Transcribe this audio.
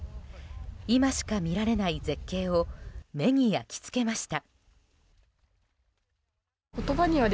今しか見られない絶景を目に焼き付けました。